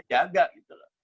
kita jaga gitu loh